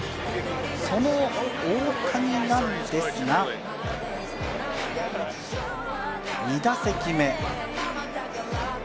その大谷なんですが、２打席目。